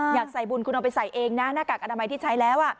อยากใส่บุญคุณเอาไปใส่เองนะหน้ากากอนามัยที่ใช้แล้ว